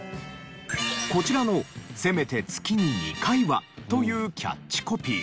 こちらの「せめて月二回は！」というキャッチコピー。